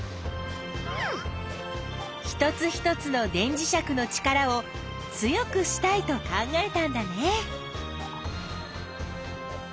一つ一つの電磁石の力を強くしたいと考えたんだね。